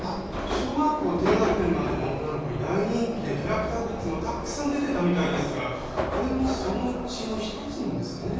小学校低学年までの女の子に大人気でキャラクターグッズもたくさん出てたみたいですからこれもそのうちの一つなんですかね。